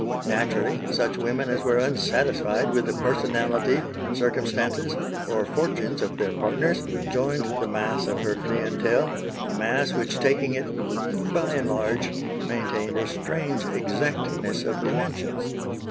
Naturally such women as were unsatisfied with the personality, circumstances, or fortunes of their partners, joined the mass of her clientèle, a mass which taking it "bye and large" maintained a strange exactness of dimensions.